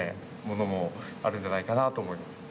ものもあるんじゃないかなと思います。